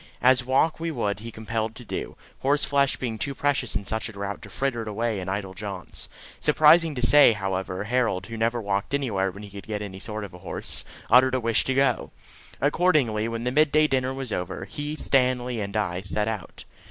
as walk we would be compelled to do, horseflesh being too precious in such a drought to fritter it away in idle jaunts. Surprising to say, however, Harold, who never walked anywhere when he could get any sort of a horse, uttered a wish to go. Accordingly, when the midday dinner was over, he, Stanley, and I set out.